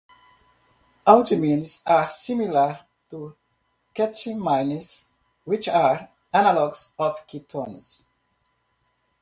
Aldimines are similar to ketimines, which are analogs of ketones.